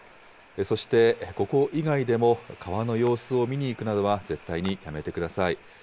そしてここ以外でも川の様子を見に行くなどは、絶対にやめてください。